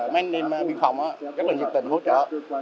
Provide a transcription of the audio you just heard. mấy anh em biên phòng rất là nhiệt tình hỗ trợ